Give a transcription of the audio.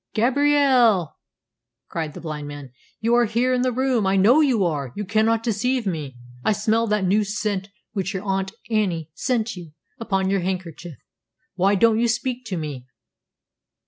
"Gabrielle," cried the blind man, "you are here in the room. I know you are. You cannot deceive me. I smell that new scent, which your aunt Annie sent you, upon your handkerchief. Why don't you speak to me?"